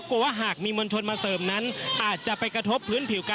ผู้สื่อข่าวชนะทีวีจากฟิวเจอร์พาร์ครังสิตเลยนะคะ